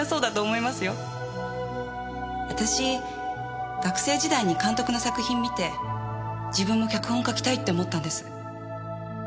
私学生時代に監督の作品見て自分も脚本を書きたいって思ったんです。